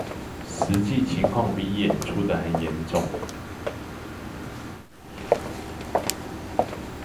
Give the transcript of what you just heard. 實際情況比演出的還嚴重